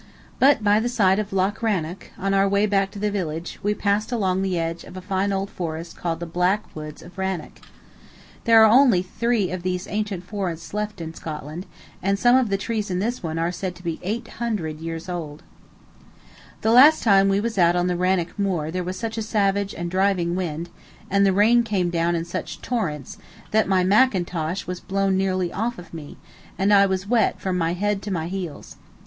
But by the side of Lock Rannoch, on our way back to the village, we passed along the edge of a fine old forest called the "Black Woods of Rannoch." There are only three of these ancient forests left in Scotland, and some of the trees in this one are said to be eight hundred years old. [Illustration: Pomona drinking it in] The last time we was out on the Rannoch Moor there was such a savage and driving wind, and the rain came down in such torrents, that my mackintosh was blown nearly off of me, and I was wet from my head to my heels.